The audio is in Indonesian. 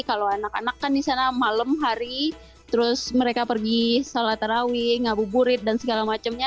kalau anak anak kan di sana malam hari terus mereka pergi sholat tarawih ngabuburit dan segala macamnya